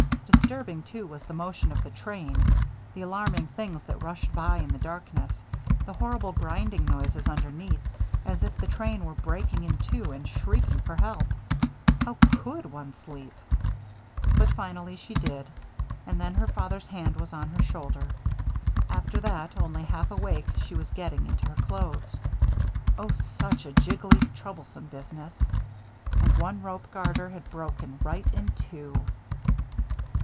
Disturbing, too, was the motion of the train, the alarming things that rushed by in the darkness, the horrible grinding noises underneath, as if the train were breaking in two and shrieking for help. How could one sleep! But finally she did. And then her father's hand was on her shoulder. After that, only half awake, she was getting into her clothes. Oh, such a jiggly, troublesome business! And one rope garter had broken right in two.